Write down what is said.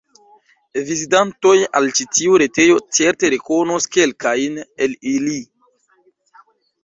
Vizitantoj al ĉi tiu retejo certe rekonos kelkajn el ili.